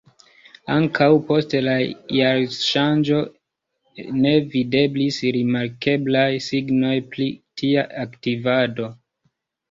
Ankaŭ post la jarŝanĝo ne videblis rimarkeblaj signoj pri tia aktivado.